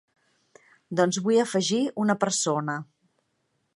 Doncs vull afegir una persona.